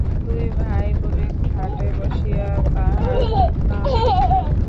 দুই ভাইবোনে ঘাটে বসিয়া তাঁহার স্নান দেখিত।